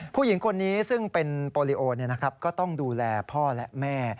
ผู้หญิงคนนี้ซึ่งเป็นโปรลิโอก็ต้องดูแลพ่อและแม่